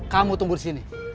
kamu tunggu disini